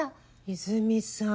いづみさん。